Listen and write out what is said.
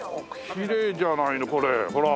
きれいじゃないのこれほら。